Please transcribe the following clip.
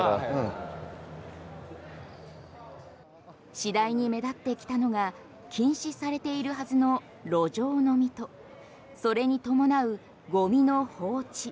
次第に目立ってきたのが禁止されているはずの路上飲みとそれに伴うゴミの放置。